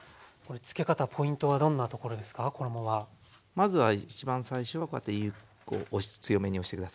まずは一番最初はこうやって強めに押して下さい。